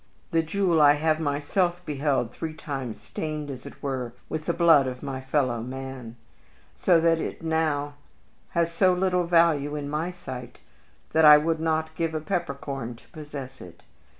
The jewel I have myself beheld three times stained, as it were, with the blood of my fellow man, so that it now has so little value in my sight that I would not give a peppercorn to possess it.